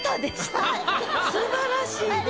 素晴らしいですよ。